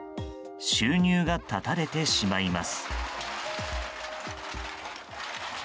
収入が絶たれてしまいます。